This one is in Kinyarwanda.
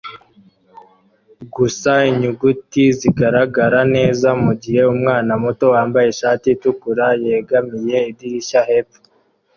Gusa inyuguti zigaragara neza mugihe umwana muto wambaye ishati itukura yegamiye idirishya hepfo